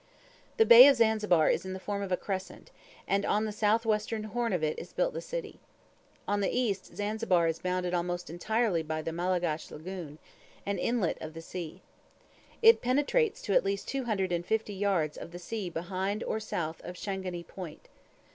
The bay of Zanzibar is in the form of a crescent, and on the south western horn of it is built the city. On the east Zanzibar is bounded almost entirely by the Malagash Lagoon, an inlet of the sea. It penetrates to at least two hundred and fifty yards of the sea behind or south of Shangani Point.